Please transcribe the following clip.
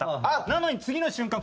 なのに次の瞬間